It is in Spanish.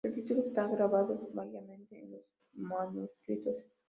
El título está grabado variadamente en los manuscritos.